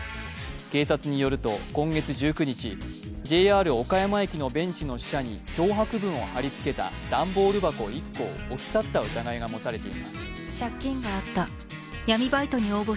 警察によると、今月１９日、ＪＲ岡山駅のベンチの下に脅迫文を貼り付けた段ボール箱１個を置き去った疑いが持たれています。